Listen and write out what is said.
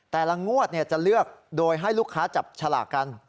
แต่ละงวดจะเลือกโดยให้ลูกค้าจับฉลากกัน